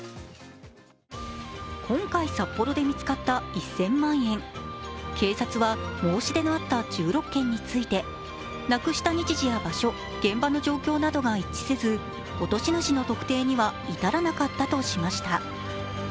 今回札幌で見つかった１０００万円、警察は、申し出のあった１６件についてなくした日時や場所、現場の状況などが一致せず、落とし主の特定には至らなかったとしました。